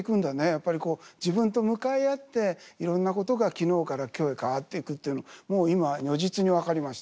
やっぱり自分と向かい合っていろんなことが昨日から今日へ変わっていくっていうのもう今如実に分かりました。